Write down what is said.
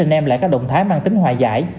h m lại có động thái mang tính hoài giải